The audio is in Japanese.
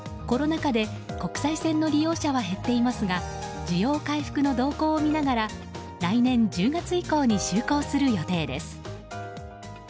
コロナ禍で国際線の利用者は減っていますが需要回復の動向を見ながら来年１０月以降に就航する予定です。